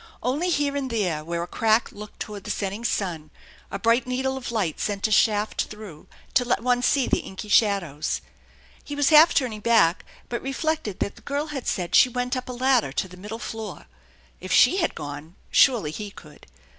Only here and there, where a crack looked toward the setting sun, a bright needle of light sent a shaft through to let one see the inky shadows. He was half turning back, but reflected that the girl had said she went up a ladder to the middle floor. If she had gone, surely he could.